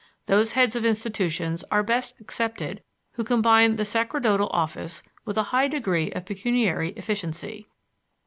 Those heads of institutions are best accepted who combine the sacerdotal office with a high degree of pecuniary efficiency.